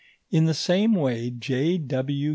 In the same way J.W.